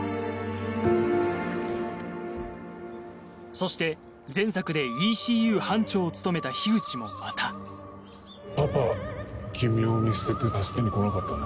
そして前作でＥＣＵ班長を務めた口もまたパパ君を見捨てて助けに来なかったね。